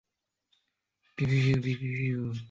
达维诺波利斯是巴西戈亚斯州的一个市镇。